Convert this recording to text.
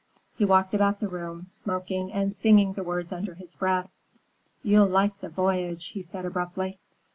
He walked about the room, smoking and singing the words under his breath. "You'll like the voyage," he said abruptly.